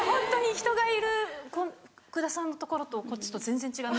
人がいる福田さんのところとこっちと全然違います。